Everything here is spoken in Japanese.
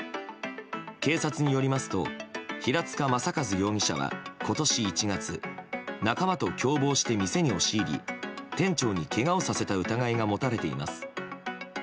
警察によりますと平塚雅一容疑者は今年１月仲間と共謀して店に押し入り店長にけがをさせた疑いが持たれています。